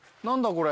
これ。